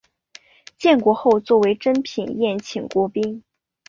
建国后作为珍品宴请国宾。